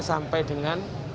sampai kembali ke kota surabaya